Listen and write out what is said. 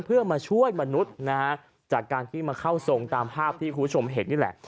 เพื่อมาช่วยมนุษย์นะฮะจากการที่มาเข้าทรงตามภาพที่คุณผู้ชมเห็นนี่แหละ